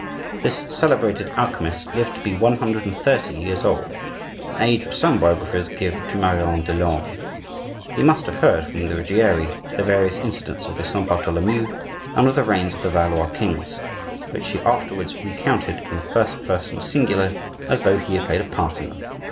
This celebrated alchemist lived to be one hundred and thirty years old,—an age which some biographers give to Marion de Lorme. He must have heard from the Ruggieri the various incidents of the Saint Bartholomew and of the reigns of the Valois kings, which he afterwards recounted in the first person singular, as though he had played a part in them.